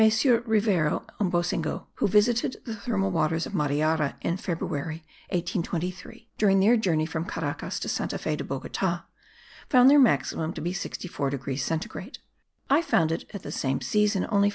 Rivero and Boussingault, who visited the thermal waters of Mariara in February, 1823, during their journey from Caracas to Santa Fe de Bogota, found their maximum to be 64 degrees centigrade. I found it at the same season only 59.